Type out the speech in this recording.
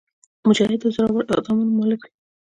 مجاهد د زړور اقدامونو مالک وي.